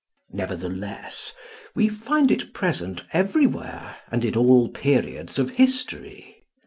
Nevertheless, we find it present everywhere and in all periods of history.